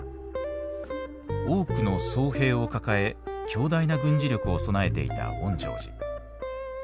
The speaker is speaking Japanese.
多くの僧兵を抱え強大な軍事力を備えていた園城寺。